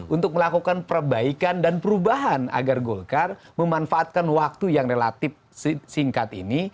untuk melakukan perbaikan dan perubahan agar golkar memanfaatkan waktu yang relatif singkat ini